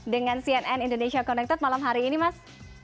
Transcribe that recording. dengan cnn indonesia connected malam hari ini mas